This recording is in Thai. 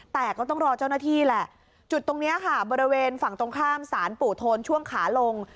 แต่ก็ต้องรอเจ้าหน้าที่แหละจุดตรงนี้ค่ะบริเวณฝั่งตรงข้ามสารปู่โทนช่วงขาลง